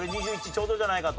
ちょうどじゃないかと？